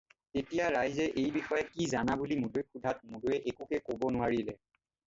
তেতিয়া ৰাইজে এই বিষয়ে কি জানা বুলি মুদৈক সোধাত মুদৈয়ে একোকে ক'ব নোৱাৰিলে।